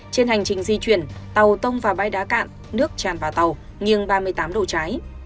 trên hành trình di chuyển tàu tông vào bãi đá cạn nước tràn vào tàu nghiêng ba mươi tám độ trái